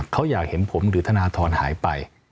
เขาอยากเห็นผมหรือธนทรหายไป